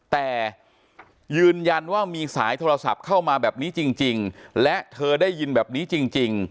แต่ยืนยันว่ามีสายโทรศัพท์เข้ามาแบบนี้จริงและเธอได้ยินแบบนี้จริง